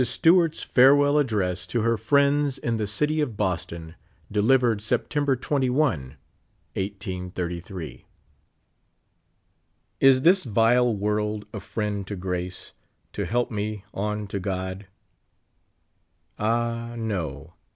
STEWART'S FAREWELL ADDRESS TO HER FRIENDS IN THE CITY OF BOSTON. DELIVERED SEPTEMBlfR 21, 1833. "Is this vile world a friend to grace, To help me on to God?" Ah, no